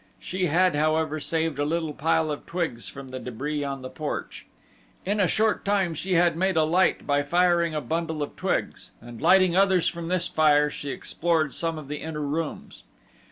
She had however saved a little pile of twigs from the debris on the porch. In a short time she had made a light by firing a bundle of twigs and lighting others from this fire she explored some of the inner rooms.